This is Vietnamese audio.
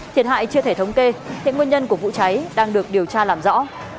thiệt hại chưa thể thống kê hiện nguyên nhân của vụ cháy đang được điều tra làm rõ